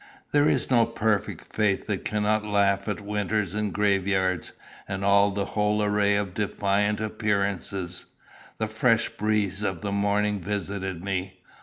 There is no perfect faith that cannot laugh at winters and graveyards, and all the whole array of defiant appearances. The fresh breeze of the morning visited me.